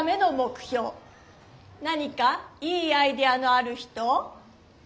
何かいいアイデアのある人？